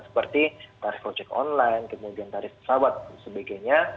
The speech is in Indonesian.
seperti tarif ojek online kemudian tarif pesawat dan sebagainya